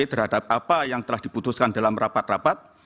terhadap apa yang telah diputuskan dalam rapat rapat